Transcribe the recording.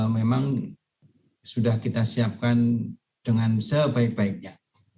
memang sudah kita siapkan dengan sebaik baiknya